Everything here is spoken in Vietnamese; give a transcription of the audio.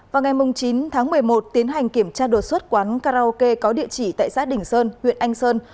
vào ngày chín tháng một mươi một tiến hành kiểm tra đột xuất quán karaoke có địa chỉ tại xã đình sơn huyện anh sơn